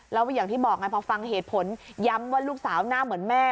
แล้วก็อย่างที่บอกไงพอฟังเหตุผลย้ำว่าลูกสาวหน้าเหมือนแม่